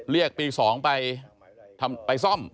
เรียกปี๒ไปซ่อม